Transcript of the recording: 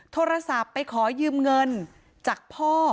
โทรศัพท์ไปขอยืมเงินจากพ่อ